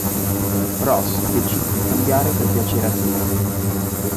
Ross decide di cambiare per piacere a Teo.